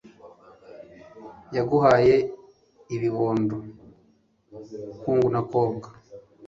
yaguhaye ibibondo! hungu na kobwa